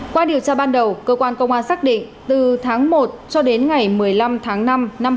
qua điều tra ban đầu cơ quan công an xác định từ tháng một cho đến ngày một mươi năm tháng năm năm hai nghìn hai mươi ba